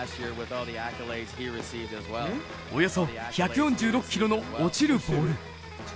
およそ１４６キロの落ちるボール。